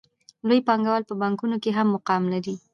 لوی پانګوال په بانکونو کې هم مقام لري